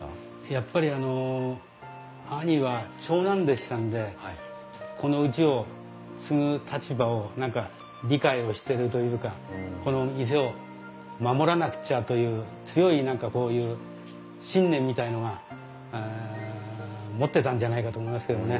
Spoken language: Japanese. やっぱり兄は長男でしたんでこのうちを継ぐ立場を何か理解をしてるというかこの店を守らなくちゃという強い何かこういう信念みたいのが持ってたんじゃないかと思いますけどもね。